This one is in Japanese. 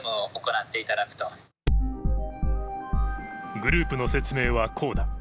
グループの説明はこうだ。